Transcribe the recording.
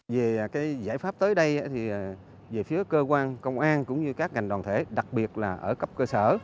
về cái giải pháp tới đây thì về phía cơ quan công an cũng như các ngành đoàn thể đặc biệt là ở cấp cơ sở